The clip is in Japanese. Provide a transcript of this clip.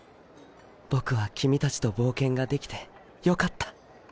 僕は君たちと冒険ができてよかった。